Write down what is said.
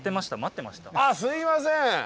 あっすいません。